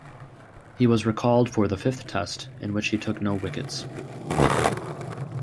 He was recalled for the fifth test, in which he took no wickets.